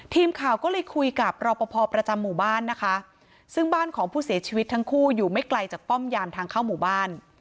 ทีมข่าวก็เลยคุยกับรอปภประจำหมู่บ้านนะคะซึ่งบ้านของผู้เสียชีวิตทั้งคู่อยู่ไม่ไกลจากป้อมยามทางเข้าหมู่บ้าน